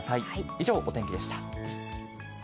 以上、お天気でした。